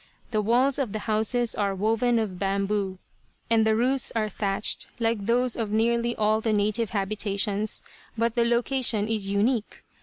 The walls of the houses are woven of bamboo, and the roofs are thatched, like those of nearly all the native habitations, but the location is unique.